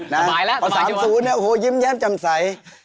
ต่อสาม๐โห้ยิ้มแย้มจำใส